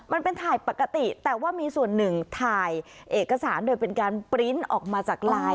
มันเป็นถ่ายปกติแต่ว่ามีส่วนหนึ่งถ่ายเอกสารโดยเป็นการปริ้นต์ออกมาจากไลน์